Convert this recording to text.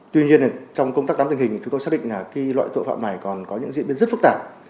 tuy nhiên trong công tác nắm tình hình thì chúng tôi xác định là loại tội phạm này còn có những diễn biến rất phức tạp